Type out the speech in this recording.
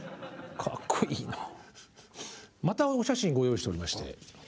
またお写真ご用意しておりまして。